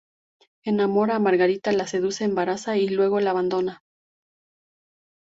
Enamora a Margarita, la seduce, embaraza y luego la abandona.